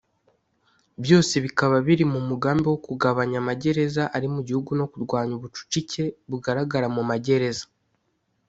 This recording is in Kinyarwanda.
byose bikaba biri mu mugambi wo kugabanya amagereza ari mu gihugu no kurwanya ubucucike bugaragara mu magereza